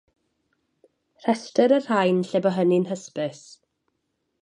Rhestrir y rhain lle bo hynny'n hysbys.